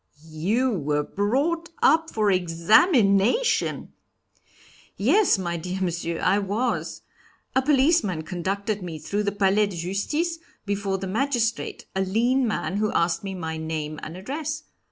"You were brought up for examination?" "Yes, my dear Monsieur, I was. A policeman conducted me through the Palais de Justice, before the magistrate, a lean man, who asked me my name and address.